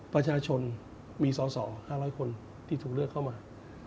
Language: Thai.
ประชาชนมีสอสอ๕๐๐คนที่ถูกเลือกเข้ามา